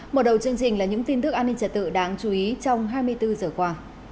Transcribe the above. mở đầu chương trình là những tin tức an ninh trật tự đáng chú ý trong hai mươi bốn giờ qua